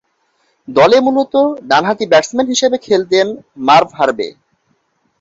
দলে মূলতঃ ডানহাতি ব্যাটসম্যান হিসেবে খেলতেন মার্ভ হার্ভে।